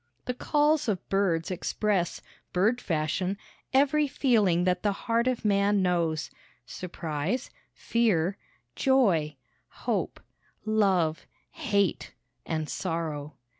The calls of birds express, bird fashion, every feeling that the heart of man knows surprise, fear, joy, hope, love, hate, and sorrow.